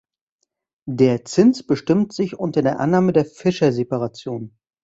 Der Zins bestimmt sich unter der Annahme der Fisher-Separation.